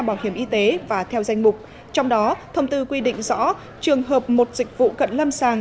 bảo hiểm y tế và theo danh mục trong đó thông tư quy định rõ trường hợp một dịch vụ cận lâm sàng